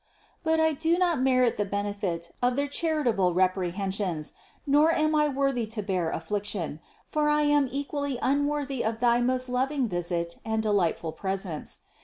But I do not merit the benefit of their charitable reprehensions, nor am I worthy to bear affliction; for I am equally unworthy of thy most loving visit and delightful presence.